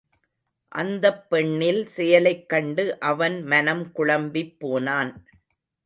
அந்தப் பெண்ணில் செயலைக் கண்டு, அவன் மனம் குழம்பிப் போனான்.